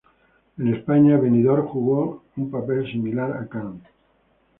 En España, Benidorm jugó un papel similar a Cannes.